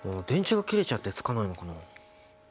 電池が切れちゃってつかないのかな？